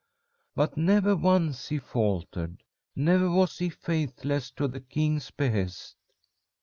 But never once he faltered. Never was he faithless to the king's behest.